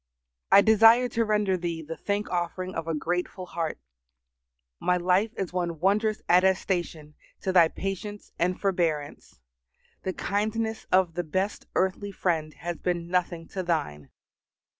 I desire to render Thee the thank offering of a grateful heart. My life is one wondrous attestation to Thy patience and forbearance. The kindness of the best earthly friend has been nothing to Thine.